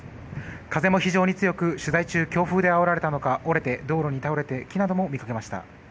風も非常に強く取材中強風であおられたのか折れて道路に倒れた木なども見られました。